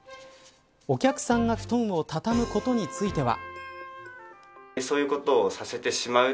お客さんが布団を畳むことについては。